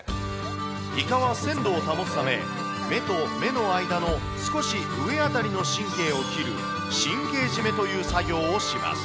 イカは鮮度を保つため、目と目の間の少し上辺りの神経を切る神経締めという作業をします。